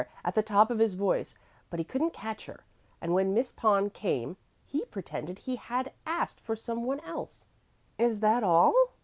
at the top of his voice; but he couldn't catch her, and when Miss Pond came he pretended he had asked for some one else." "Is that all?"